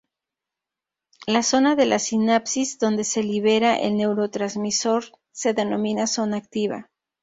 La zona de la sinapsis donde se libera el neurotransmisor se denomina "zona activa".